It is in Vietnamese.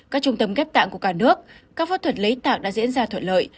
các trung tâm ghép tạng của cả nước các phẫu thuật lấy tạng đã diễn ra thuận lợi